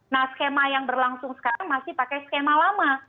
nah skema yang berlangsung sekarang masih pakai skema lama